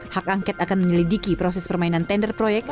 hak angket akan menyelidiki proses permainan tender proyek